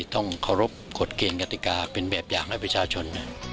ต้องเคารพกฎเกณฑ์กติกาเป็นแบบอย่างให้ประชาชน